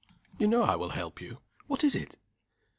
_" "You know I will help you. What is it?"